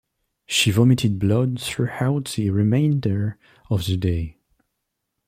She vomited blood throughout the remainder of the day.